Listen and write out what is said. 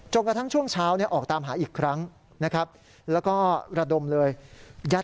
กระทั่งช่วงเช้าออกตามหาอีกครั้งนะครับแล้วก็ระดมเลย